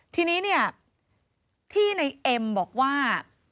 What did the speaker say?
ทีนี้ที่ในเอ็มบอกว่า